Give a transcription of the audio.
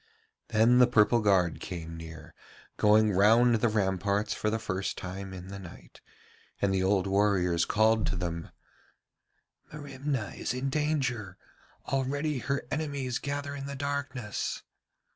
Then the purple guard came near, going round the ramparts for the first time in the night, and the old warriors called to them, 'Merimna is in danger! Already her enemies gather in the darkness.'